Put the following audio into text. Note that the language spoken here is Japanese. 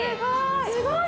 すごい！